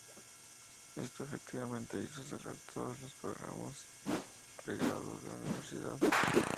Esto efectivamente hizo cerrar todos los programas de pregrado de la universidad.